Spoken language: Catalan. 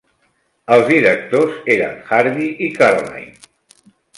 Els directors eren Harvey i Carolyn.